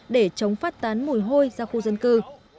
để chống phát tán mùi hôi ra khu dân cư